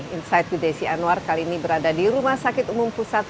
insight with desi anwar kali ini berada di rumah sakit umum pusat